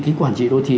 cái quản trị đô thị